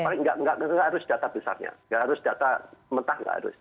tidak harus data besarnya tidak harus data mentah tidak harus